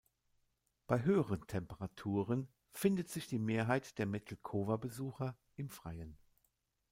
Bei höheren Temperaturen findet sich die Mehrheit der Metelkova-Besucher im Freien.